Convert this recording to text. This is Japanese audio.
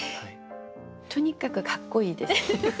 とにかくかっこいいです。